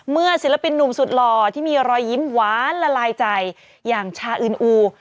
ศิลปินหนุ่มสุดหล่อที่มีรอยยิ้มหวานละลายใจอย่างชาอื่นอู